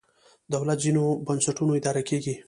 دولت ځینې بنسټونه اداره کېږي.